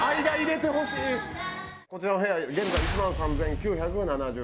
こちらの部屋現在１万３９７０円。